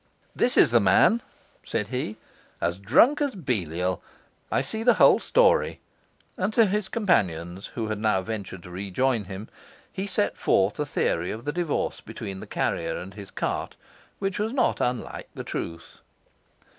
'This is the man,' said he, 'as drunk as Belial. I see the whole story'; and to his two companions, who had now ventured to rejoin him, he set forth a theory of the divorce between the carrier and his cart, which was not unlike the truth.